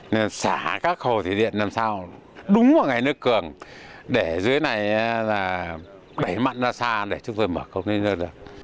nên xả các hồ thủy điện làm sao đúng vào ngày nước cường để dưới này đẩy mặn ra xa để chúng tôi mở cống lấy nước